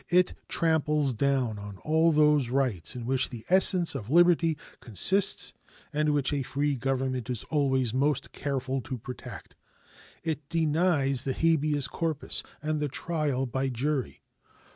It tramples down all those rights in which the essence of liberty consists, and which a free government is always most careful to protect. It denies the habeas corpus and the trial by jury.